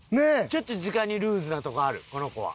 ちょっと時間にルーズなとこあるこの子は。